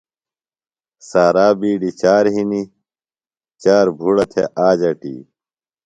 سارا بِیڈیۡ چار ہِنیۡ، چار بُھڑہ تھےۡ آج اٹی